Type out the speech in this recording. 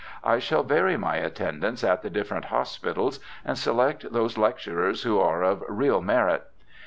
I shall vary my attendance at the different hospitals and select those lecturers who are of real merit.